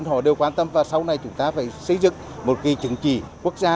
họ đều quan tâm và sau này chúng ta phải xây dựng một cái chứng chỉ quốc gia